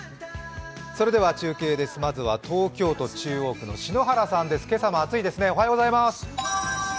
それでは中継です、まずは東京都中央区の篠原さんです、今朝も暑いですね。